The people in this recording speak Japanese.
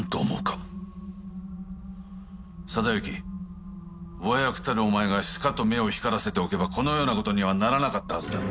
定行上役たるお前がしかと目を光らせておけばこのような事にはならなかったはずだ。